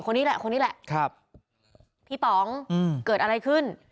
คนนี้แหละคนนี้แหละครับพี่ป๋องเกิดอะไรขึ้น